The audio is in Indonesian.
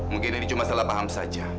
mungkin ini cuma salah paham saja